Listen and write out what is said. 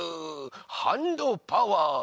ハンドパワーです。